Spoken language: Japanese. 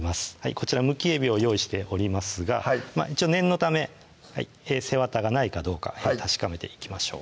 こちらむきえびを用意しておりますが一応念のため背わたがないかどうか確かめていきましょう